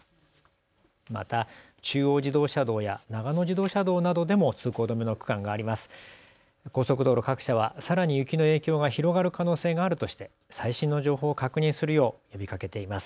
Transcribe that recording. また中央自動車道や長野自動車道などでも通行止めの区間があります。